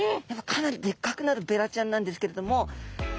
かなりでっかくなるベラちゃんなんですけれども。